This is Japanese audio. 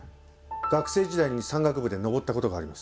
学生時代に山岳部で登った事があります。